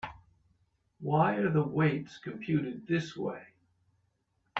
Why are the weights computed this way?